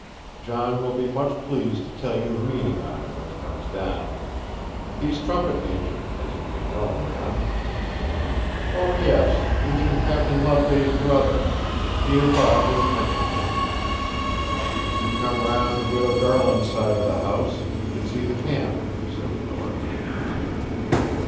John will be much pleased to tell you the meaning on't when he comes down. He's trumpet major, as you may know, ma'am.' 'O yes; you mean Captain Loveday's brother. Dear Bob has mentioned him.' 'If you come round to Widow Garland's side of the house, you can see the camp,' said the miller.